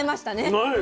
はい。